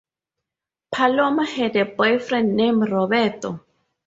Paloma had a boyfriend named Roberto.